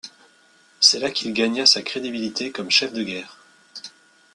C'est là qu'il gagna sa crédibilité comme chef de guerre.